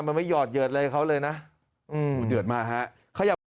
มันไม่หยอดเยินเลยเขาเลยนะอืมเดือนมากฮะ